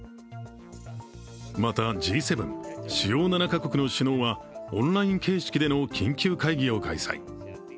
また、Ｇ７＝主要７か国の首脳はオンライン形式での緊急会議を開催。